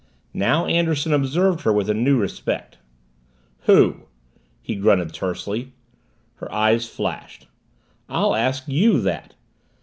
Now Anderson observed her with a new respect. "Who?" he grunted tersely. Her eyes flashed. "I'll ask you that!